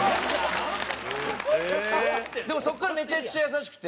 でも、そこからめちゃくちゃ優しくて。